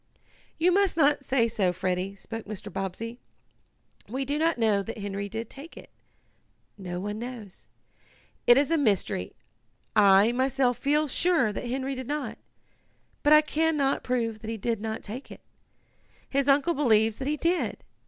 "You must not say so, Freddie," spoke Mr. Bobbsey. "We do not know that Henry did take it. No one knows. It is a mystery. I, myself feel sure that Henry did not, but I can not prove that he did not take it. His uncle believes that he did.